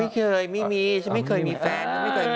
ไม่เคยไม่มีไม่เคยมีแฟน